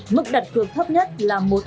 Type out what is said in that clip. mức đặt cược thấp nhất là một usdt một lần